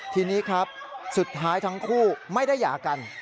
ทีนี้ครับสุดท้ายทั้งคู่ไม่ได้หย่ากัน